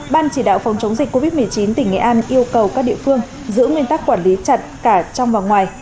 ban chỉ đạo phòng chống dịch covid một mươi chín tỉnh nghệ an yêu cầu các địa phương giữ nguyên tắc quản lý chặt cả trong và ngoài